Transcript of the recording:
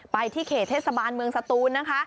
ไปที่เขตเทศบาลเมืองสตูนนะคะ